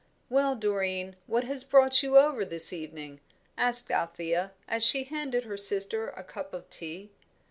"Well, Doreen, what has brought you over this evening?" asked Althea, as she handed her sister a cup of tea.